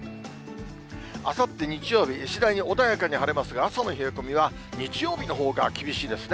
あさって日曜日、次第に穏やかに晴れますが、朝の冷え込みは日曜日のほうが厳しいですね。